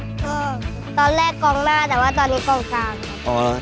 เออตอนแรกกองหน้าแต่ว่าตอนนี้กองสาม